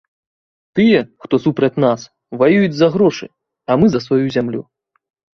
Тыя, хто супраць нас, ваююць за грошы, а мы за сваю зямлю.